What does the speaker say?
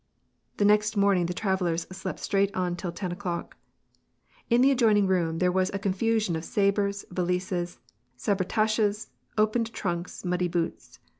The next morning the travellers slept straight on till ten o'clock. In the adjoining room there was a confusion of sabres, valises, sabretasches, opened trunks, muddy boots.